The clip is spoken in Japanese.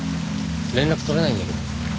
連絡取れないんだけど。